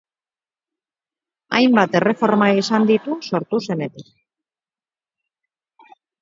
Hainbat erreforma izan ditu sortu zenetik.